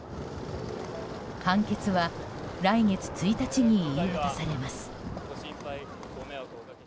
判決は来月１日に言い渡されます。